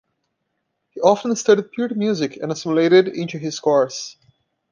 He often studied period music and assimilated it into his scores.